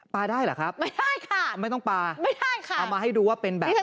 ได้เหรอครับไม่ได้ค่ะไม่ต้องปลาไม่ได้ค่ะเอามาให้ดูว่าเป็นแบบไหน